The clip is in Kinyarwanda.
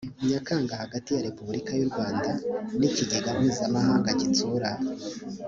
nyakanga hagati ya repubulika y’u rwanda n’ikigega mpuzamahanga gitsura